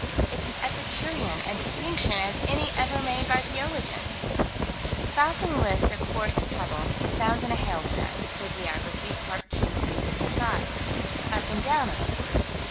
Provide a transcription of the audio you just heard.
It's as epicurean a distinction as any ever made by theologians. Fassig lists a quartz pebble, found in a hailstone (Bibliography, part 2 355). "Up and down," of course.